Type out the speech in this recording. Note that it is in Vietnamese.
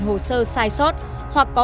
hồ sơ sai sót hoặc có